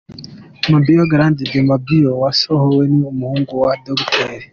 Mabior Garang de Mabior wasohowe ni umuhungu wa Dr.